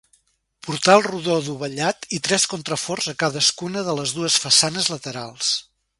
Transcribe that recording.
Portal rodó dovellat i tres contraforts a cadascuna de les dues façanes laterals.